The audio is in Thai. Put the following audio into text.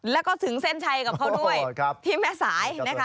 แล้วก็ถึงเส้นชัยกับเขาด้วยที่แม่สายนะคะ